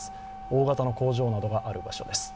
大型の工場などがある場所です。